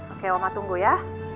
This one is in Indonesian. oke oma tunggu ya